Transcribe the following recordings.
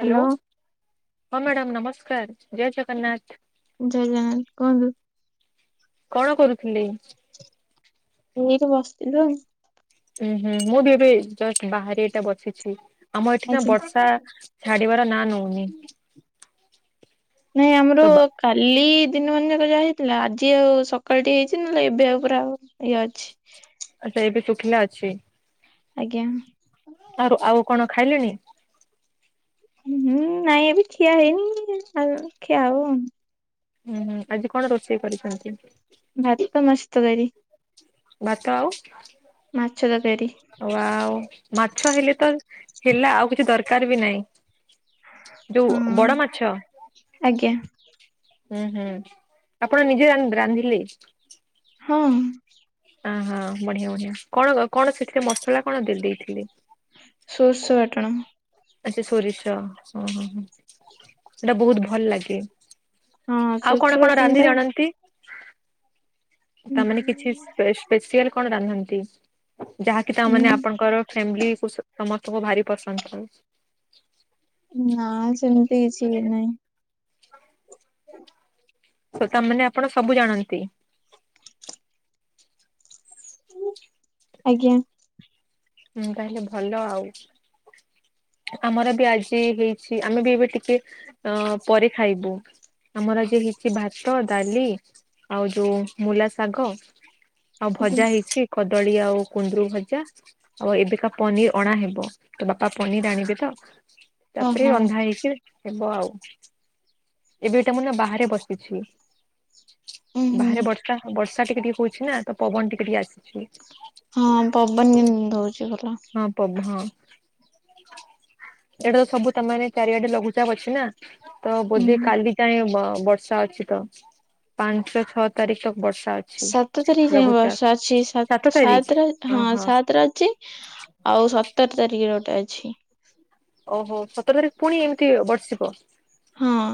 Hello hello ହଁ madam ନମସ୍କାର ଜୟ ଜଗନ୍ନାଥ। ଜୟ ଜଗନ୍ନାଥ କୁହନ୍ତୁ? କଣ କରୁଥିଲେ? ଏଇଠି ବସିଥିଲୁ ଆଉ। ଉୁଁ ହୁଁ ମୁଁ ବି ଏବେ ଜଷ୍ଟ ବାହାରେ ଏଇଟା ବସିଛି ଆମ ଏଠି ନା ଆଜ୍ଞା। ବର୍ଷା ଛାଡିବାର ନା ନଉନି। ନାଇଁ ତ ଆମର କାଲି ଦିନମାନ ଯାକ ଯାହା ହେଇଥିଲା ଆଜି ଆଉ ସକାଳ ଟିକେ ହେଇଚି ନହେଲେ ଏବେ ଆଉ ପୁରା ଆଉନି। ଇଏ ଅଛି। ଆଛା ଏବେ ଶୁଖିଲା ଅଛି? ଆଜ୍ଞା। ଆରୁ ଆଉ କଣ ଖାଇଲେଣି? ହୁଁ ନାଇଁ ଏବେ ଖିଆ ହେଇନି ଖିଆ ହବ। ହୁଁ ହୁ ଆଜି କଣ ରୋଷେଇ କରିଚନ୍ତି? ଭାତ ମାଛତରକାରୀ। ଭାତ ଆଉ ମାଛ ତରକାରି। ଓ ଆଉ ମାଛ ହେଲେ ତ ହେଲା ଆଉ କିଛି ଦରକାରେ ବି ନାହିଁ। ଯୋଉ ବଡ ହଁ ମାଛ? ଆଜ୍ଞା। ହୁଁ ହୁଁ ଆପଣ ନିଜେ ରାନ୍ଧିଲେ? ହଁ। ଅହୋ ବଢିଆ ବଢିଆ କଣ କଣ ସେଥିରେ ମସଲା କଣ ଦେଇଥିଲେ? ସୋରିଷ ବାଟଣ। ଆଛା ସୋରିଷ ହଁ ହଁ ସେଇଟା ବୋହୁତ ଭଲ ଲାଗେ। ହଁ ଆଉ ସୋରିଷ କଣ କଣ ବାଟଣ ଟା ରାନ୍ଧି ଜାଣନ୍ତି? ହୁଁ ତାମାନେ କିଛି ସ୍ପେସିଆଲ କଣ ରାନ୍ଧନ୍ତି? ଯାହାକି ତାମାନେ ହୁଁ ଆପଣଙ୍କର ଫ୍ୟାମିଲି ସମସ୍ତଙ୍କୁ ଭାରି ପସନ୍ଦ କରୁ। ନା ସେମିତି କିଛି ବି ନାହିଁ। ସେଟା ମାନେ ଆପଣ ସବୁ ଜାଣନ୍ତି? ଆଜ୍ଞା। ମୁଁ ତାହେଲେ ଭଲ ଆଉ। ଆମର ବି ଆଜି ହେଇଛି ଆମେ ବି ଏବେ ଟିକେ ଅଁ ପରେ ଖାଇବୁ। ଆମର ଆଜି ହେଇଚି ଭାତ ଡାଲି ଆଉ ଯୋଉ ମୂଲା ଶାଗ ଆଉ ଆଜ୍ଞା ଭଜା ହେଇଛି। କଦଳୀ ଆଉ କୁନ୍ଦୁରି ଭଜା ଆଉ ଏବେକା ପନିର ଅଣା ହେବ ତ ବାପା ପନିର ଆଣିବେ ତ ହଁ ତାପରେ ହଁ ରନ୍ଧା ହେଇଛି ଏବେ ହେବ ଆଉ ଏବେ ଏଇଟା ମାନେ ବାହାରେ ବସିଛି। ଉଁ ହୁଁ। ବାହାରେ ବର୍ଷା ହ ବର୍ଷା ଟିକେ ଟିକେ ହଉଛି ନା ତ ପବନ ଟିକେ ଟିକେ ଆସୁଛି। ହଁ ପବନ ଦଉଛି ଭଲ। ହଁ ପବ ହଁ ଇଆଡେ ତ ସବୁ ତ ମାନେ ଚାରିଆଡେ ଲଘୁଚାପ ଅଛି ନା ତ ହୁଁ। ବୋଧେ କାଲି ଯାଏଁ ବ ବର୍ ଷା ଅଛି ତ ପାଞ୍ଚ ଛଅ ତାରିକ ବର୍ଷା ଅଛି ସାତ ତାରିଖ ଯାଏଁ ଲଘୁଚାପ ବର୍ଷା ଅଛି ସାତ ସାତ୍ ତାରିଖ। ସାତରେ ହଁ ଓହୋ ସାତରେ ଅଛି। ଆଉ ସତର ତାରିଖରେ ଗୋଟେ ଅଛି। ଓହୋ ସତର ତାରିଖ ପୁଣି ଏମିତି ବର୍ଷିବ। ହଁ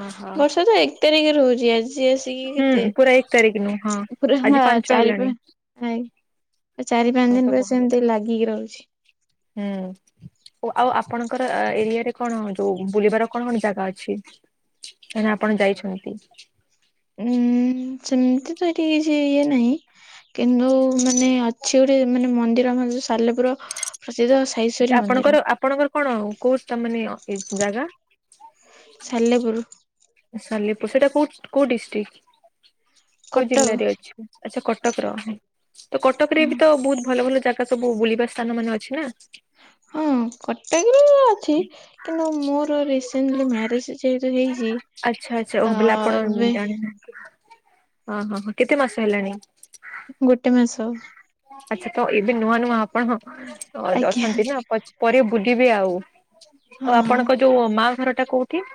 ଓହୋ ବର୍ଷା ତ ଏକ ତାରିଖରୁ ହଉଛି ଆ ଜି ଆସିକି ହୁଁ କେତେ ପୁରା ଏକ ତାରିଖ ନୁ ହଁ ପୁରା ଆଜି ମା ପାଞ୍ଚ ଚାରି ପା ହେଲାଣି। ଆଇଁ ତ ଚାରି ପାଞ୍ଚ ମୁଁ ତ ଦିନ ପୁରା ବହ ସେମତି ଲାଗିକି ରହୁଛି। ହୁଁ। ଓ ଆଉ ଆପଣଙ୍କର ଆ ଏରିଆରେ କଣ ଯୋଉ ବୁଲିବାର କଣ କଣ ଜାଗା ଅଛି। ତାହାନେ ଆପଣ ଯାଇଛନ୍ତି। ଉଁ ସେମତି ତ ଏଠି କିଛି ଇଏ ନାହିଁ। କିନ୍ତୁ ମାନେ ଅଛି ଗୋଟେ ମାନେ ମନ୍ଦିର ଆମର ଯୋଉ ସାଲେପୁର ପ୍ରସିଦ୍ଧ। ସାଇଶ୍ଵରୀ ଆଛା ମନ୍ଦିର ଆପଣଙ୍କର ଆପଣଙ୍କର କଣ କୋଉ ତ ମାନେ ଅ ଏ ଜାଗା? ସାଲେପୁରୁ। ଓ ସାଲେପୁର ସେଟା କୋଉ କୋଉ ଡିଷ୍ଟିକ୍? କୋଉ କଟକ ଜିଲ୍ଲାରେ ଅଛି ଆଚ୍ଛା କଟକର ହୁଁ ତ କଟକରେ ବି ତ ବୋହୁତ ଭଲ ଭଲ ଜା ଗା ସବୁ ବୁଲିବା ସ୍ତାନ ମାନ ଅଛି ନା। ହଁ କଟକରେ ଅଛି। କିନ୍ତୁ ମୋର ରସେଣ୍ଟଲି ମ୍ୟାରେଜେ ଯେହେତୁ ହେଇଚି ଆଚ୍ଛା ଆଚ୍ଛା ଓହୋ ବେଲେ ଆପଣ ଜାଣିନାହାନ୍ତି ଓହୋ ହୋ କେତେ ମାସ ହେଲାଣି? ଗୋଟେ ମାସ। ଆଚ୍ଛା ତ ଏବେ ନୂଆ ନୂଆ ଆପଣ ହଁ ଅ ଆଜ୍ଞା ଅଛନ୍ତି ନା ପଛ୍ ପରେ ବୁଲିବେ ଆଉ। ଆଉ ହଁ ଆପଣଙ୍କ ଯୋଉ ମା ଘରଟା କୋଉଠି?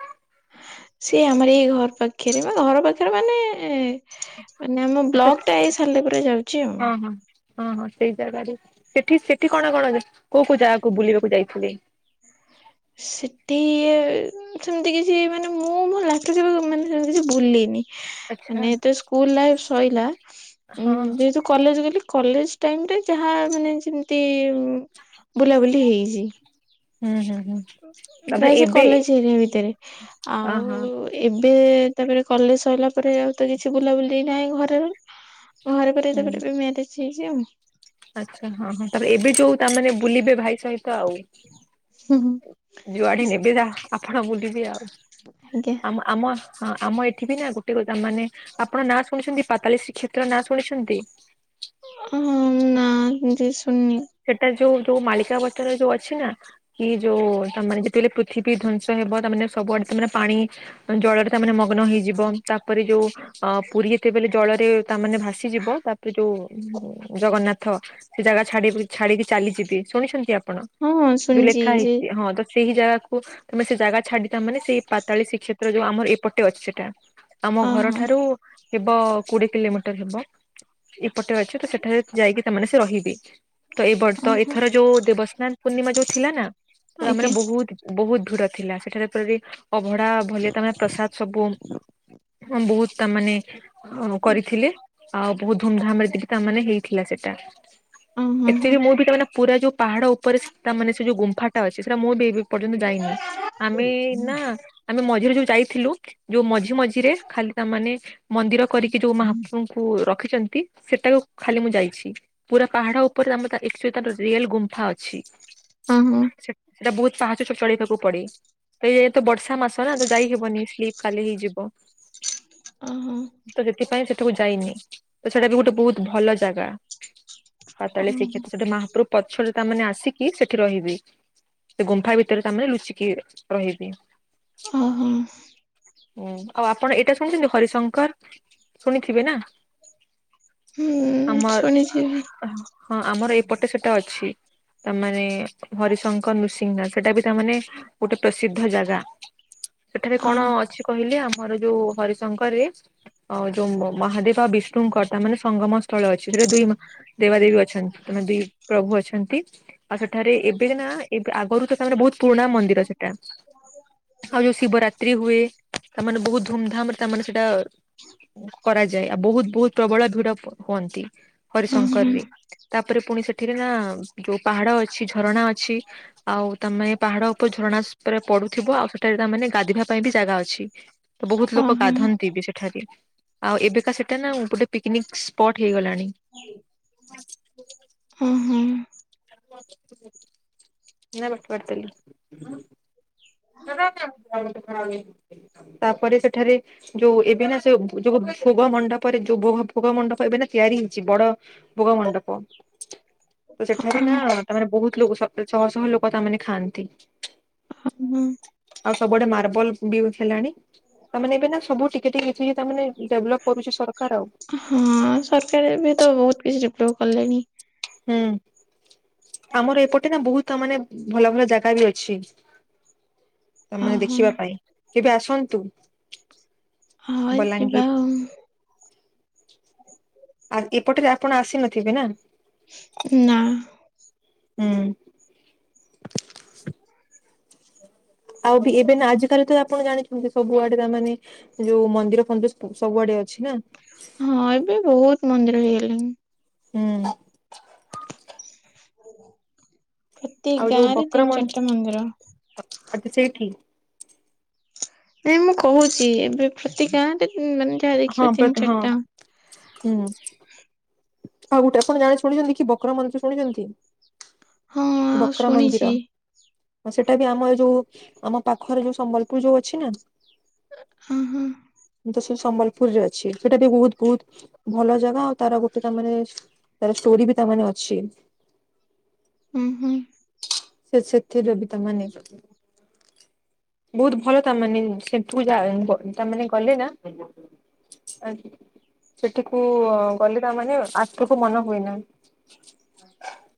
ସିଏ ଆମର ଏଇ ଘର ପାଖରେ ପା ଘର ପାଖେରେ ମାନେ ମାନେ ଆମ ଆଚ୍ଛା ବ୍ଲକଟା ଏଇ ସାଲେପୁରରେ ଯାଉଛି ଆଉଁ। [unintelligible] ହଁ ହଁ ସେଇ ଜାଗାରେ ସେଠି ସେଠି କଣ କଣ ଯେ କୋଉ କୋଉ ଜାଗାକୁ ବୁଲିବାକୁ ଯାଇଥିଲେ? ସେଠି ଏ ଉଁ ସେମତି କିଛି ମାନେ ମୁଁ ମୋ ଲାଇଫରେ କେବେ ମାନେ ସେମିତି କିଛି ବୁଲିନି। ଆଚ୍ଛା ମାନେ ଯେତେବେଳେ ସ୍କୁଲ ଲାଇଫ୍ ସଇଲା ଉଁ ହଁ। ଯେହେତୁ କଲେଜ ଗଲି କଲେଜ ଟାଇମରେ ଯାହା ମାନେ ଯିମତି ଉଁ ବୁଲାବୁଲି ହେଇଛି। ହୁଁ ହୁଁ। ଉଁ ଉଁ ତାପରେ ପ୍ରାୟ ସେ ଏବେ କଲେଜ ଏରିଆ ଭିତେରେ ଅହ ଆଉ ଏବେ ତାପରେ କଲେଜ ସଇଲା ପରେ ଆଉ ତ କିଛି ବୁଲାବୁଲି ନାହିଁ ଘରେ ଘରେ ପରେ ହୁଁ ତାପରେ ଏବେ ମ୍ୟାରେଜ ହେଇଛି ଆଉଁ। ଆଚ୍ଛା ହଁ ହଁ ତାପରେ ଏବେ ଯୋଉ ତା ମାନେ ବୁଲିବେ ଭାଇ ସହିତ ଆଉ। ହୁଁ ହୁଁ ଯୁଆଡେ ନେବେ ଯାହା ଆପଣ ବୁଲିବି ଆଉ ଆଜ୍ଞା ଆମ ଆମ ହଁ ଆମ ଏଠି ବି ନା ଗୋଟେକୁ ତାମାନେ ଆପଣ ନାଁ ଶୁଣିଛନ୍ତି ପାତାଳି ଶ୍ରୀକ୍ଷେତ୍ର ନାଁ ଶୁଣିଛନ୍ତି? ଉଁହୁଁ ନା ଏମତି ଶୁଣିନି। ସେଟା ଯୋଉ ଯୋଉ ମାଳିକା ବଚନରେ ଯୋଉ ଅଛି ନା। କି ଯୋଉ ତା ମାନେ ଯେତେବେଳେ ପୃଥିବୀ ଧ୍ଵଂସ ହେବ ତା ମାନେ ସବୁଆଡେ ତା ମାନେ ପାଣି ଜଳରେ ତାମାନେ ମଗ୍ନ ହେଇଯିବ ତାପରେ ଯୋଉ ଅ ପୁରୀ ଯେତେବେଳେ ଜଳରେ ତା ମାନେ ଭାସିଯିବ ତାପରେ ଯୋଉ ଜଗନ୍ନାଥ ସେ ଜାଗା ଛାଡି ବି ଛାଡିକି ଚାଲିଯିବେ ଶୁଣିଛନ୍ତି ଆପଣ ହଁ ଯୋଉ ଶୁଣିଛି ଯେ ଲେଖାହେଇଚି ହଁ ତ ସେହି ଜାଗାକୁ ତମେ ସେ ଜାଗା ଛାଡି ତାମାନେ ସେଇ ପାତାଳୀ ଶ୍ରୀକ୍ଷେତ୍ର ଯୋଉ ଆମର ଏପଟେ ଅଛି ସେଟା। ଆମ ଅ ହଁ ଘରଠାରୁ ହେବ କୋଡିଏ କିଲୋମିଟର ହେବ। ଏପଟରେ ଅଛି ତ ସେଠାରେ ଯାଇକି ତାମାନେ ସେ ରହିବେ। ତ ଏ ବର୍ ଅ ପ ହଁ ଏଥର ଯୋଉ ଦେବସ୍ନାନ ପୂର୍ଣ୍ଣିମା ଯୋଉ ଥିଲା ନା ତ ଆଜ୍ଞା ତାମାନେ ବୋହୁତ ବୋହୁତ ଧୁର ଥିଲା ସେଠାରେ ପୁରି ଅଭଡା ଭଲେ ତା ମାନେ ପ୍ରସାଦ ସବୁ ହଁ ବୋହୁତ ତା ମାନେ ହଁ କରିଥିଲେ ଆଉ ବୋହୁତ ଧୁମଧାମରେ ତିକି ତାମାନେ ହେଇଥିଲା ସେଟା। ଅ ହଁ ଏତେବି ବି ମୁଁ ବି ତା ମାନେ ପୁରା ଯୋଉ ପାହାଡ ଉପରେ ସେ ତା ମାନେ ସେ ଯୋଉ ଗୁମ୍ଫାଟା ଅଛି ସେଟା ମୁଁ ବି ଏବି ଏ ପର୍ଯ୍ୟନ୍ତ ଯାଇନି। ଆମେ ନା ଆମେ ମଝିରେ ଯୋଉ ଯାଇଥିଲୁ ଯୋଉ ମଝି ମଝିରେ ଖାଲି ତା ମାନେ ମନ୍ଦିର କରିକି ଯୋଉ ମହାପ୍ରଭୁଙ୍କୁ ରଖିଚନ୍ତି ସେଟାକୁ ଖାଲି ମୁଁ ଯାଇଛି ପୁରା ପାହାଡ ଉ ପରେ ଆମର ତା ଏକଚୋଲି ତାର ରିଏଲ ଗୁମ୍ଫା ଅଛି। ଉଁ ହୁଁ। ସେ ଏଟା ବୋହୁତ ପାହାଚ ଚ-ଚଢ଼ିବାକୁ ପଡେ। ତ ଏଇ ତ ବର୍ଷା ମାସ ନା ତ ଯାଇ ହେବନି ସ୍ଲିପ ଖାଲି ହେଇଯିବ। ଅଁହଁ। ତ ସେଥିପାଇଁ ସେଠାକୁ ଯାଇନି ତ ସେଟା ବି ଗୋଟେ ବୋହୁତ ଭଲ ଜାଗା। ପାତାଳୀ ଶ୍ରୀକ୍ଷେତ୍ ସେଠି ମହାପ୍ରଭୁ ପଛରେ ତା ମାନେ ଆସିକି ସେଠି ରହିବେ। ସେ ଗୁମ୍ଫା ଭିତରେ ତାମାନେ ଲୁଚିକି ରହିବି। ଅହଁ। ଉଁ ଆଉ ଆପଣ ଏଇଟା ଶୁଣିଚନ୍ତି ହରିଶଙ୍କର୍ ଶୁଣିଥିବେ ନା? ହୁଁ ଆମର୍ ଶୁଣିଛି ବି ଆ ହଁ ଆମର୍ ଏଇପଟେ ସେଟା ଅଛି। ତା ମାନେ ହରିଶଙ୍କର ନୃସିଂଗ୍ ନାଟ ସେଟା ବି ତାମାନେ ଗୋଟେ ପ୍ରସିଦ୍ଧ ଜାଗା। ସେଠାରେ ଅ କଣ ଅଛି କହିଲେ ଆମର ଯୋଉ ହରିଶଙ୍କରରେ ଅ ଯୋଉ ମ ମହାଦେବ ଆଉ ବିଷ୍ଣୁଙ୍କର ତାମାନେ ସଙ୍ଗମ ସ୍ତଳ ଅଛି ସେଠାରେ ଦୁଇ ମା ଦେବାଦେବୀ ଅ ଛନ୍ ତମେ ଦି ପ୍ରଭୁ ଅଛନ୍ତି ଆଉ ସେଠାରେ ଏବେ ଯେନା ଏବ୍ ଆଗରୁ ତ ତାମାନେ ବୋହୁତ୍ ପୁରୁଣା ମନ୍ଦିର ସେଟା। ଆଉ ଯୋଉ ଶିବରାତ୍ରି ହୁଏ ତାମାନେ ବୋହୁତ୍ ଧୁମଧାମରେ ତାମାନେ ସେଟା କରାଯାଏ ଆଉ ବୋହୁତ୍ ବୋହୁତ୍ ପ୍ରବଳ ଭିଡ ହୁଅନ୍ତି ହଁ ହଁ ହରିଶଙ୍କରରେ। ତାପରେ ପୁଣି ସେଠିରେ ନା ଯୋଉ ପାହାଡ ଅଛି, ଝରଣା ଅଛି ଆଉ ତାମାନେ ପାହାଡ ଓପରେ ଝରଣା ସ୍ ପରେ ପଡୁଥିବ ଆଉ ସେଠାରେ ତାମାନେ ଗାଧିବା ପାଇଁ ବି ଜାଗା ଅଛି। ତ ବୋହୁତ୍ ଅ ଲୋକ ହଁ ଗାଧାନ୍ତି ବି ସେ ଠାରେ ଆଉ ଏବେକା ସେଟା ନା ଗୋଟେ ପିକନିକ୍ ସ୍ପଟ୍ ହେଇଗଲାଣି। ଅଁ ହଁ। [unintelligible] ତାପରେ ସେଠାରେ ଯୋଉ ଏବେ ନା ସେ ଯୋଉ ଭୋଗ ମଣ୍ଡପରେ ଯୋଉ ଭୋଗ ଫୋଗ ମଣ୍ଡପ ଏବେ ନା ତିଆରି ହେଇଚ଼ି ବଡ ଭୋଗ ମଣ୍ଡପ। [inaudible] ତ ସେଠାରେ ହଁ ନା ତା ମାନେ ବହୁତ୍ ଲୋକ ସ୍ ଛଅ ଶହ ଲୋକ ତା ମାନେ ଖାଆନ୍ତି। ଅହ ଉୁଁ। ଆଉ ସବୁଆଡେ ମାର୍ବଲ ବି ହେଲାଣି। ତାମାନେ ଏବେ ନା ସବୁ ଟିକିଏ ଟିକେ [unintelligible] ତାମାନେ ଡେଭଲପ୍ କରୁଛି ସରକାର ଆଉ। ହଁ ସରକାର ଏବେ ତ ବହୁତ୍ କିଛି ଡ଼େଭଲପ୍ କଲେଣି। ହୁଁ ଆମର ଏପଟେ ନା ବହୁତ ମାନେ ଭଲ ଭଲ ଜାଗା ବି ଅଛି। ଅ ତାମାନେ ହଁ ଦେଖିବା ପାଇଁ କେବେ ଆସନ୍ତୁ। ହଁ ଯିବା ବଲାଙ୍ଗୀର ଆଉ। ଆ ଏପଟରେ ଆପଣ ଆସି ନଥିବେ ନା। ନା। ଉୁଁ। ଆଉ ବି ଏବେ ନା ଆଜିକାଲି ତ ଆପଣ ଜାଣିଛନ୍ତି ସବୁ ଆଡେ ତା ମାନେ। ଯୋଉ ମନ୍ଦିର ଫନ୍ଦିର ସବୁ ସବୁଆଡେ ଅଛି ନା। ହଁ ଏବେ ବହୁତ୍ ମନ୍ଦିର ହେଇଗଲାଣି। ହୁଁ। ପ୍ରତି ଆଉ ଗାଁ ଯୋଉ ରେ ବକ୍ର ତିନି, ଚାରିଟା ମନ୍ଦିର। [unintelligible] ସେଇଠି। ନାଇଁ ମୁଁ କହୁଚ଼ି ଏବେ ପ୍ରତି ଗାଁରେ ଉଁ ମାନେ ଯାହା ହଁ ଦେଖିବ ତିନି ବଟ୍ ହଁ ଚାରିଟା। ହୁଁ। ଆଉ ଗୋଟେ ଆପଣ ଜାଣି ଶୁଣିଛନ୍ତି କି ବକ୍ର ମନ୍ଦିର ଶୁଣିଛନ୍ତି ହଁ ଆଉ ବକ୍ର ଶୁଣିଛି ମନ୍ଦିର? ହଁ ସେଟା ବି ଆମ ଏ ଯୋଉ ଆମ ପାଖରେ ଯୋଉ ସମ୍ବଲପୁର୍ ଯୋଉ ଅଛି ନା। ହଁ ହଁ। ମୁଁ ତ ସେ ସମ୍ବଲପୁର ରେ ଅଛି ସେଟା ବି ବହୁତ୍ ବହୁତ୍ ଭଲ ଜାଗା ଆଉ ତାର ଗୋ ଟେ ତାମରେ ତାର ଷ୍ଟୋରି ବି ତାମାନେ ଅଛି। ଉଁ ହୁଁ। ସେ ସେଥିରେ ବି ତା ମାନେ [unintelligible] ବହୁତ୍ ଭଲ ତା ମାନେ ସେଠୁ ଯା ତାମାନେ ଗଲେ ନା ଆ ସେଠିକୁ ଗଲେ ତା ମାନେ ଆରଥରକୁ ମନ ହୁଏ ନା।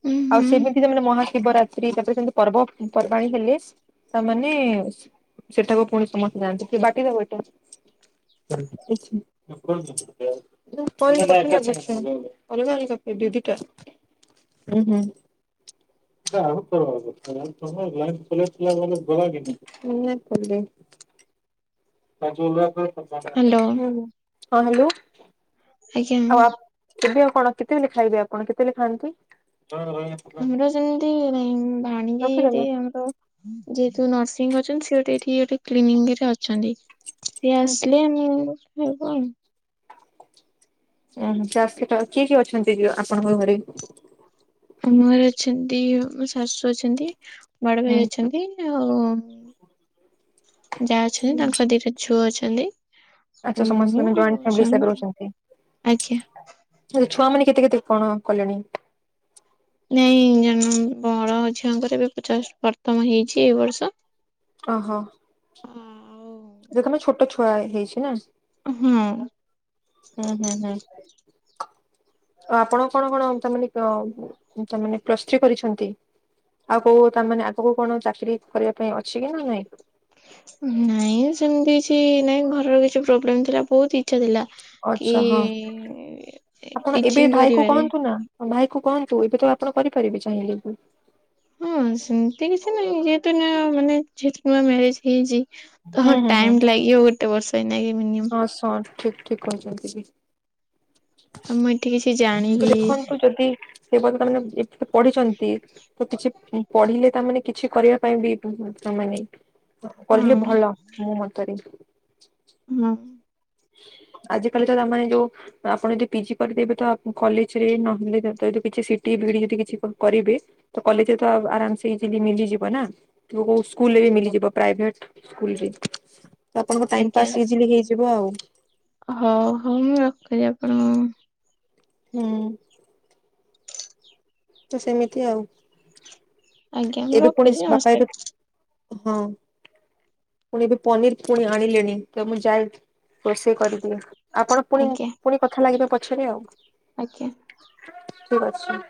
ହୁଁ ଆଉ ହୁଁ। ସେମିତି ସେ ମାନେ ମହାଶିବରାତ୍ରି ତାପରେ ସେମିତି ପର୍ବ। ପର୍ବାଣୀ ହେଲେ। ତାମାନେ ସେଠାକୁ ପୁଣି ସମସ୍ତେ ଯାଆନ୍ତି କିଏ ବାଟେଇ ଦବ ଏଟା। [inaudible] [inaudible] ଉଁ ହୁଁ [unintelligible] ପାଞ୍ଚ ହଜାର ଧରିଥ ହାଲୋ। ହଁ ହାଲୋ ଆଜ୍ଞା ଆଉ ଆ କେବେ ଆଉ କଣ କେତେବେଲେ ଖାଇବେ ଆପଣ କେତେବେଳେ ଖାଆନ୍ତି? ଆମର ସେମିତି ନାହିଁ ରଖିଦେଲେ ଭାଣିଜିଟେ ଆମର। ଯେହେତୁ ନର୍ସିଂ ଅଛନ୍ତି ସେ ଗୋଟେ ଏଠି ଗୋଟେ କ୍ଲିନିକରେ ଅଛନ୍ତି। ସିଏ ହୁଁ ଆସିଲେ ଆମର ହବ ଆଉ। ଓ ହ ଚାରସିଟ୍ କିଏ କିଏ ଅଛନ୍ତିକି ଆପଣଙ୍କ ଘରେ? ଆମ ଘରେ ଅଛନ୍ତି ମୋ ଶାଶୁ ଅଛନ୍ତି ବଡ ଭାଇ ହୁଁ ଅଛନ୍ତି। ଆଉ ଯାଆ ଅଛନ୍ତି ତାଙ୍କ ଦିଟା ଛୁଅ ଅଛନ୍ତି। ଆଚ୍ଛା ସମସ୍ତେ ମୁଁ ତାହେନେ ଆଉ ଜଏଣ୍ଟ୍ ଫ୍ୟାମିଲି ସ୍ୱାମୀ। ହିସାବରେ ଆଜ୍ଞା ଅଛନ୍ତି। ଛୁଆ ମାନେ କେତେ କେତେ କଣ କଲେଣି? ନାଇଁ ଜନ ବଡ ଝିଅଙ୍କର ଏ ବି ଜଷ୍ଟ ପ୍ରଥମ ହେଇଚି ଏ ବର୍ଷ। କହ। ଦେ ତମେ ଛୋଟ ଛୁଆ ହେଇଚି ନା? ହୁଁ। ଉଁ ହୁଁ ହୁଁ ଆପଣ କଣ କଣ ତା ମାନେ ତ ତାମାନେ ପ୍ଲସ୍ ଥ୍ରୀ କରିଛନ୍ତି? ଆଉ କୋଉ ତାମାନେ ଆଗକୁ କଣ ଚାକିରି କରିବା ପାଇଁ ଅଛି କି ନା ନାଇଁ? ନାଇଁ ସେମିତି କିଛି ନାଇଁ ଘରର କିଛି ପ୍ରୋବ୍ଲେମ୍ ଥିଲା ବହୁତି ଇଛା ଥିଲା କି ଆଚ୍ଛା ହଁ ଆପଣ ଏବେ ଟିଚିଂ ଭାଇ କୁ କରିବାରେ। କହନ୍ତୁ ନା ଭାଇ କୁ କୁହନ୍ତୁ ଏବେ ତ ଆପଣ କରିପାରିବେ ଚାହିଁଲେ ବି। ହଁ ସେମିତି କିଛି ନାହିଁ ଯେହେତୁ ଏଇନା ମାନେ ଯେହେତୁ ନୂଆ ମ୍ୟାରେଜ ହେଇଚି ତ ହୁଁ ହୁଁ ହୁଁ ଟାଇମ୍ ଲାଗିବ ଗୋଟେ ବର୍ଷ ଏଇନାକେ ମିନି ହଁ ସ ସଠିକ୍ ଠିକ୍ କହିଚନ୍ତି କି। ଆମ ଏଠି କିଛି ଜାଣି ତ ଦେଖନ୍ତୁ ଯଦି ସେ ବ ତାମାନେ ଏତେ ତ ପଢିଛନ୍ତି ତ କିଛି ପଢିଲେ ତାମାନେ କିଛି କରିବା ପାଇଁ ବି ମାନେ ହଁ କରିଲେ ଭଲ ମୋ ମତରେ। ହୁଁ। ଆଜି କାଲି ତ ତା ମାନେ ଯୋଉ ଆପଣ ଯଦି ପିଜି କରିଦେବେ ତ କଲେଜ୍ ରେ ନହେଲେ ଯଦିତ କିଛି ସିଟି ବିଡି ଯଦି କିଛି କ କରିବେ ତ କଲେଜରେ ତ ଆରାମ ସେ ଇଜିଲି ମିଳିଯିବ ନା କୋଉ ସ୍କୁଲରେ ବି ମିଳିଯିବ ପ୍ରାଇଭେଟ୍ ସ୍କୁଲ ରେ ଆପଣଙ୍କ ଟାଇମ୍ ଆଜ୍ଞା। ପାସ୍ ଇଜିଲି ହେଇଯିବ ଆଉ। ହଉ ହଉ ମୁଁ ରକହୁଚି ଆପଣଙ୍କୁ ହୁଁ। ତ ସେମିତି ଆଉ ଆଜ୍ଞା ମୁଁ ଏବେ ପୁଣି ରଖୁଛି ସି ବାପା ଏବେ ନମସ୍କାର ହଁ। ପୁଣି ଏବେ ପନିର୍ ପୁଣି ଆଣିଲେଣି ତ ମୁଁ ଯାଏ ରୋଷେଇ କରିଦିଏ ଆପଣ ପୁଣି ଆଜ୍ଞା ପୁଣି କଥା ଲାଗିବା ପଛରେ ଆଉ। ଆଜ୍ଞା। ଠିକ୍ ଅଛି।